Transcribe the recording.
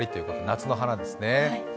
夏の花ですね。